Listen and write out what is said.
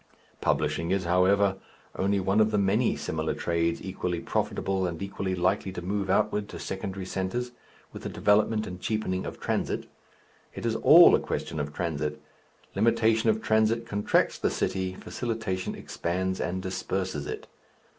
Publishing is, however, only one of the many similar trades equally profitable and equally likely to move outward to secondary centres, with the development and cheapening of transit. It is all a question of transit. Limitation of transit contracts the city, facilitation expands and disperses it.